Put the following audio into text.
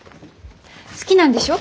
好きなんでしょ？